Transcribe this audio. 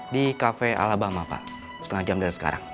di cafe alabama pak setengah jam dari sekarang